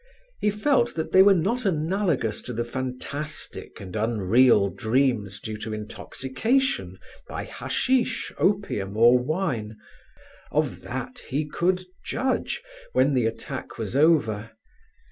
He felt that they were not analogous to the fantastic and unreal dreams due to intoxication by hashish, opium or wine. Of that he could judge, when the attack was over.